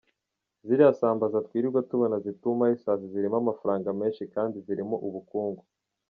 Ziriya sambaza twirirwa tubona zitumaho isazi zirimo amafarnga menshi kandi zirimo ubukungu.